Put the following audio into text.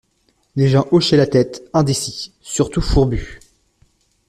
Les gens hochaient la tête, indécis, surtout fourbus.